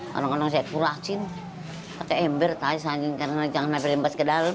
kadang kadang saya kurahkan pakai ember tayu saking karena jangan sampai lempas ke dalam